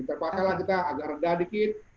terpaksalah kita agak rendah dikit